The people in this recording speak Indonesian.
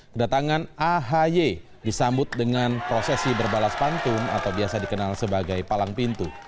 kedatangan ahy disambut dengan prosesi berbalas pantun atau biasa dikenal sebagai palang pintu